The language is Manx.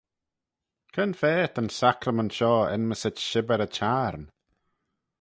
Cre'n fa ta'n sacrament shoh enmyssit shibbyr y çhiarn?